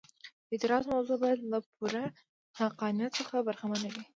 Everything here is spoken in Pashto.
د اعتراض موضوع باید له پوره حقانیت څخه برخمنه وي.